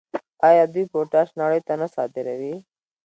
آیا دوی پوټاش نړۍ ته نه صادروي؟